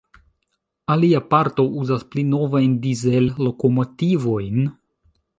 Alia parto uzas pli novajn Dizel-lokomotivojn.